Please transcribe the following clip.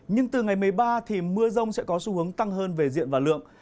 nhưng từ ngày một mươi ba thì mưa rông sẽ có xu hướng tăng hơn về diện và lượng